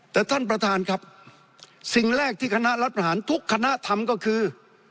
แต่ท่านประธานครับสิ่งแรกที่คณะรัฐประหารทุกคณะทำก็คือ